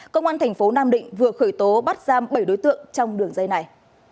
cơ quan thành phố nam định vừa khởi tố bắt giam bảy đối tượng trong đường dây này